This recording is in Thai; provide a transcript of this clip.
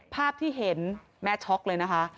ภาพที่เห็นแม่ช็อกเลยนะคะ